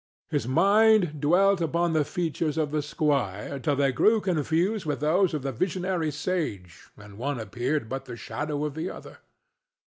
His mind dwelt upon the features of the squire till they grew confused with those of the visionary sage and one appeared but the shadow of the other.